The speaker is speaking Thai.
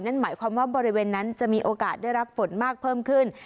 นั่นหมายความว่าบริเวณนั้นจะมีโอกาสได้รับฝนมากเพิ่มขึ้น